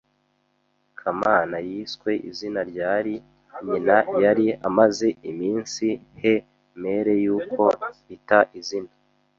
Kamana yiswe izina ryari Nyina yari amaze iminsi he mere y’uko ita izina